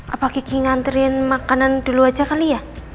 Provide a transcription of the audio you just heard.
apa kiki nganterin makanan dulu aja kali ya